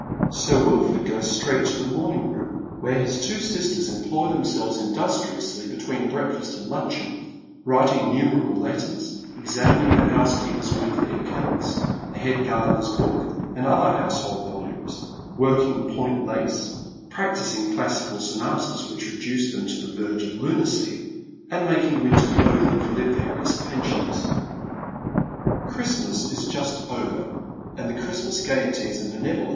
Sir Wilford goes straight to the morning room, where his two Sir Wilford Ims Ids own waif, 188 sisters employ themselves industriously between breakfast &ni lunclieon, writing innumerable letters, exaniiiiin;^ the hou8e« keeper's weekly accounts, the head gardener's book, and other household volumes, working point lace, practising classical Bonatas which reduce them to the verge of lunacy, and making winter clothing for their various pensioners. Christmas is just over, and the Christmas gaieties and benevo ler.